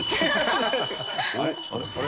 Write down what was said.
あれ？